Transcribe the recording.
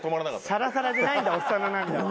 サラサラじゃないんだおっさんの涙は。